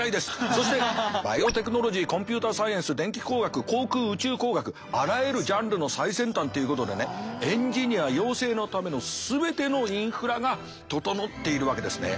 そしてバイオテクノロジーコンピューターサイエンス電気工学航空宇宙工学あらゆるジャンルの最先端ということでねエンジニア養成のための全てのインフラが整っているわけですね。